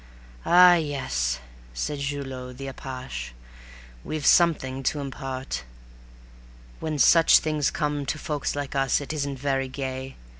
"Ah, yes," said Julot the apache, "we've something to impart. When such things come to folks like us, it isn't very gay